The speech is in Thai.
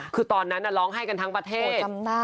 คือตอนนั้นน่ะร้องให้กันทั้งประเทศโหจำได้